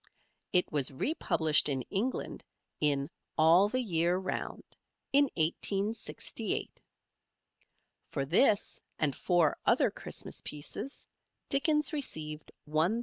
It was republished in England in "All the Year Round" in 1868. For this and four other Christmas pieces Dickens received £1,000.